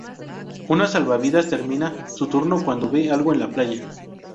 Una salvavidas termina su turno cuando ve algo en la playa.